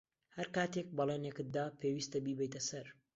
ھەر کاتێک بەڵێنێکت دا، پێویستە بیبەیتە سەر.